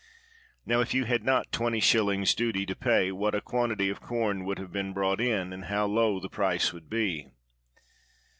Now, if you had not 20s. duty to pay, what a quantity of corn you would have brought in, and how low the price would be